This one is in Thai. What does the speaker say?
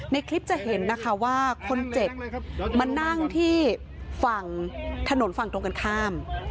ในคลิปจะเห็นนะคะว่าคนเจ็บมานั่งที่ฝั่งถนนฝั่งตรงกันข้าม